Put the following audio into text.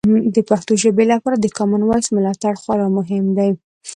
د پښتو ژبې لپاره د کامن وایس ملاتړ خورا مهم دی.